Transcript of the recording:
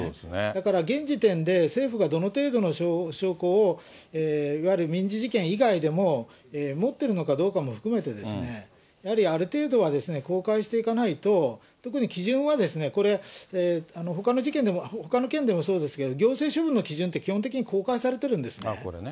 だから、現時点で、政府がどの程度の証拠を、いわゆる民事事件以外でも、持ってるのかどうかも含めてですね、やはりある程度は公開していかないと、特に基準は、これ、ほかの事件でも、ほかの件でもそうですけど、行政処分の基準って、基本的に公開されてるんですね。